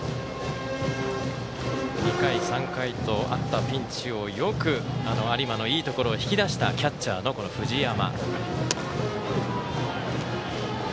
２回、３回とあったピンチをよく有馬のいいところを引き出したキャッチャー藤山。